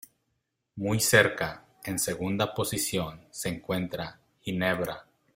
Muy cerca, en segunda posición, se encuentra Ginebra.